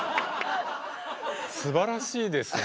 すばらしいですね。